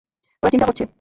ওরা চিন্তা করছে।